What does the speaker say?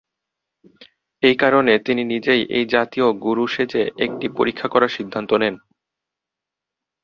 এই কারণে তিনি নিজেই এই জাতীয় গুরু সেজে একটি পরীক্ষা করার সিদ্ধান্ত নেন।